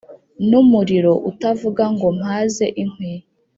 n’umuriro utavuga ngo ‘mpaze inkwi’